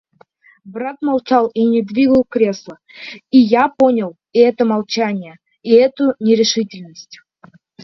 Брат молчал и не двигал кресла, и я понял это молчание и эту нерешительность.